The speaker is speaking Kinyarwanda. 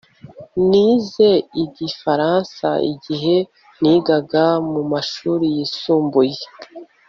Nize Igifaransa igihe nigaga mu mashuri yisumbuye